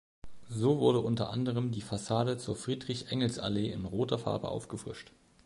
So wurde unter anderem die Fassade zur Friedrich-Engels-Allee in roter Farbe aufgefrischt.